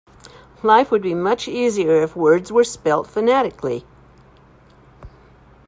Life would be much easier if words were spelt phonetically.